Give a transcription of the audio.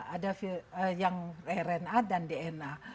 ada yang rna dan dna